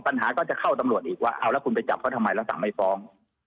ปัญหาก็จะเข้าตำรวจอีกว่าเอาแล้วคุณไปจับเขาทำไมแล้วสั่งไม่ฟ้อง